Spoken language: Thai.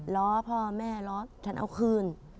ล้อพ่อแม่ล้อฉันเอาคืน